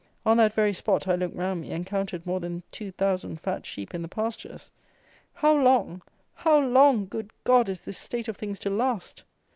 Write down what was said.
On that very spot I looked round me, and counted more than two thousand fat sheep in the pastures! How long; how long, good God! is this state of things to last?